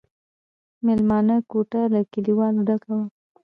مېلمانه کوټه له کليوالو ډکه وه.